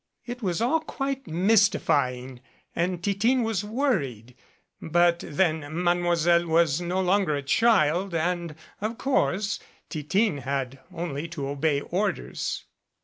It was all quite mystifying and Titine was worried, but then Mademoiselle was no longer a child and, of course, Titine had only to obey orders.